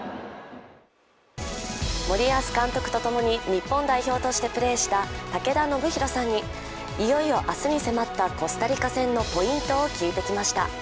森保監督とともに日本代表としてプレーした武田修宏さんに、いよいよ明日に迫ったコスタリカ戦のポイントを聞いてきました。